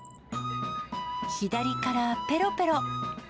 左からぺろぺろ。